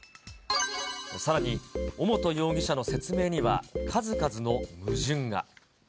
さらに、尾本容疑者の説明には数々の矛盾が。